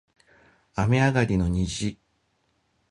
雨上がりの虹